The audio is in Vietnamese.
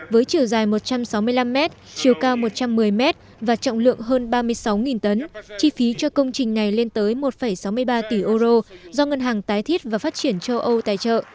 với chiều dài một trăm sáu mươi năm m chiều cao một trăm một mươi m và trọng lượng hơn ba mươi sáu tấn chi phí cho công trình này lên tới một sáu mươi ba tỷ euro do ngân hàng tái thiết và phát triển châu âu tài trợ